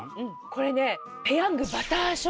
これねペヤングバター醤油。